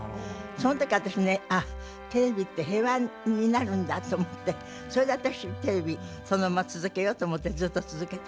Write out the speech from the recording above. その時私ねテレビって平和になるんだと思ってそれで私テレビそのまま続けようと思ってずっと続けてた。